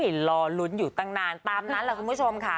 รอลุ้นอยู่ตั้งนานตามนั้นแหละคุณผู้ชมค่ะ